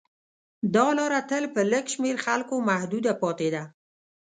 دا لاره تل په لږ شمېر خلکو محدوده پاتې ده.